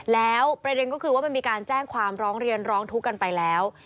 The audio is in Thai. แล้วประเด็นก็คือว่ามันมีการแจ้งความร้องเรียนร้องทุกข์กันไปแล้ว